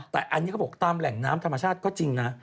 แต่อันนี้เขาบอกตามแหล่งน้ำธรรมชาติก็จริงนะ